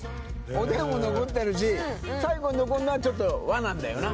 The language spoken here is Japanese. おでんも残ってるし最後に残るのはちょっと和なんだよな